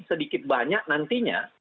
sedikit banyak nantinya